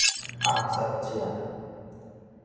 暗殺者